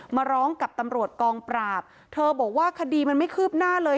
มาร้องกับตำรวจกองปราบเธอบอกว่าคดีมันไม่คืบหน้าเลย